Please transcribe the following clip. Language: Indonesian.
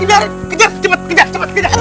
tidak kejar cepet kejar cepet kejar